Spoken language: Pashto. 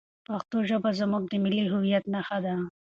پښتو ژبه زموږ د ملي هویت نښه ده.